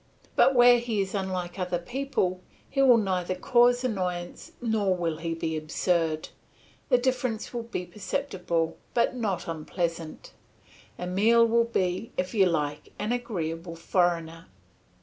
But where he is unlike other people, he will neither cause annoyance nor will he be absurd; the difference will be perceptible but not unpleasant. Emile will be, if you like, an agreeable foreigner.